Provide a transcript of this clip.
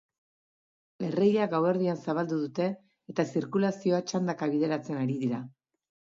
Erreia gauerdian zabaldu dute, eta zirkulazioa txandaka bideratzen ari dira.